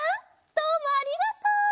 どうもありがとう！